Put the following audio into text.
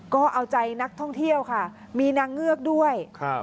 ก็เอาใจนักท่องเที่ยวค่ะมีนางเงือกด้วยครับ